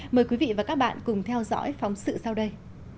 mời quý vị và các bạn cùng theo dõi phóng sự sau đây